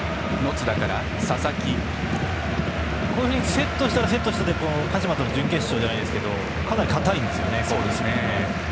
セットしたらセットしたで鹿島との準決勝じゃないですけどかなり堅いんですよね。